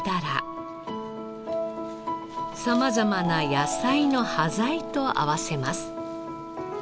様々な野菜の端材と合わせます。